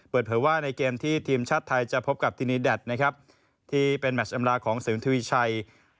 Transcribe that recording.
เปิดเผยว่าในเกมที่ทีมชาติไทยจะพบกับทินีแดดนะครับที่เป็นแมชอำลาของสินทวีชัย